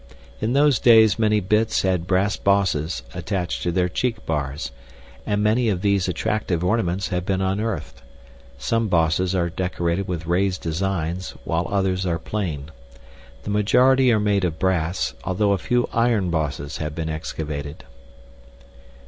In those days many bits had brass bosses attached to their cheek bars, and many of these attractive ornaments have been unearthed. Some bosses are decorated with raised designs while others are plain. The majority are made of brass, although a few iron bosses have been excavated.